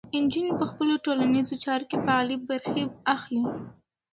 نجونې په خپلو ټولنیزو چارو کې فعالې برخې اخلي.